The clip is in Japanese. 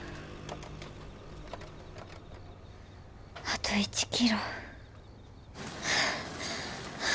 あと１キロ。